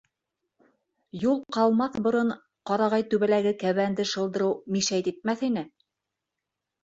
Юл ҡалмаҫ борон, Ҡарағайтүбәләге кәбәнде шылдырыу мишәйт итмәҫ ине...